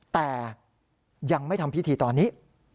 แต่ยังไม่ทำพิธีตอนนี้